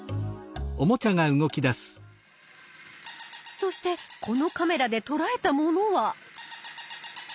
そしてこのカメラで捉えたものは。